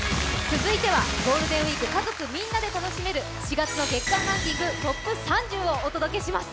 続いては、ゴールデンウイーク家族みんなで楽しめる４月の月間ランキングトップ３０をお届けします。